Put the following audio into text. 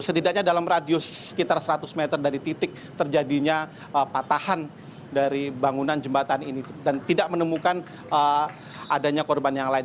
setidaknya dalam radius sekitar seratus meter dari titik terjadinya patahan dari bangunan jembatan ini dan tidak menemukan adanya korban yang lain